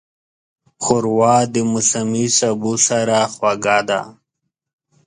ښوروا د موسمي سبو سره خوږه ده.